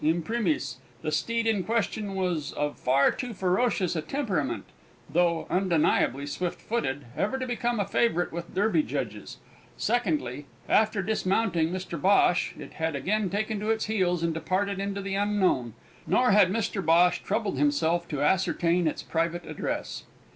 Imprimis, the steed in question was of far too ferocious a temperament (though undeniably swift footed) ever to become a favourite with Derby judges; secondly, after dismounting Mr Bhosh, it had again taken to its heels and departed into the Unknown, nor had Mr Bhosh troubled himself to ascertain its private address.